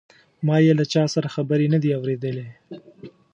ما یې له چا سره خبرې نه دي اوریدلې.